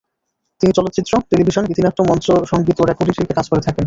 তিনি চলচ্চিত্র, টেলিভিশন, গীতিনাট্য, মঞ্চ, সঙ্গীত ও রেকর্ডিং শিল্পে কাজ করে থাকেন।